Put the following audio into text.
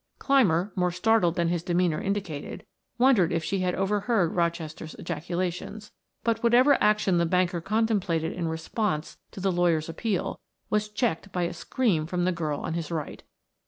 Clymer, more startled than his demeanor indicated, wondered if she had overheard Rochester's ejaculations, but whatever action the banker contemplated in response to the lawyer's appeal was checked by a scream from the girl on his right.